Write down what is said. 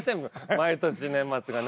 毎年年末がね。